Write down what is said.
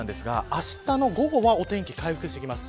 あしたの午後はお天気が回復してきます。